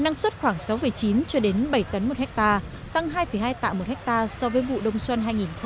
năng suất khoảng sáu chín cho đến bảy tấn một hectare tăng hai hai tạ một hectare so với vụ đông xuân hai nghìn một mươi hai nghìn một mươi tám